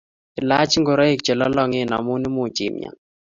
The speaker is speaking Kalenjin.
Ilach ngoroik chelolongen amu much imnyan